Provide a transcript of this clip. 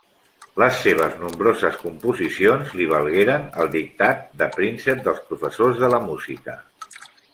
Les seves nombroses composicions li valgueren el dictat de Príncep dels professors de la música.